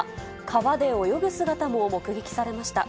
川で泳ぐ姿も目撃されました。